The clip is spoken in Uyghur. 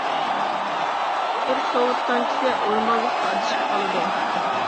بىر سوۋېت تانكىسى ئورمانلىقتا ئادىشىپ قالىدۇ.